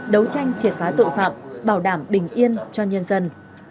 đấu tranh triệt phá tội phạm bảo đảm bình yên cho nhân dân